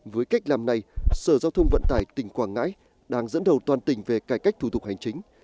với cách làm này sở giao thông vận tải tỉnh quảng ngãi đang dẫn đầu toàn tỉnh về cải cách thủ tục hành chính